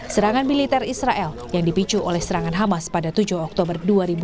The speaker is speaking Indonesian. serangan militer israel yang dipicu oleh serangan hamas pada tujuh oktober dua ribu dua puluh